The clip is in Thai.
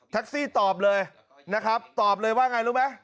ซี่ตอบเลยนะครับตอบเลยว่าไงรู้ไหม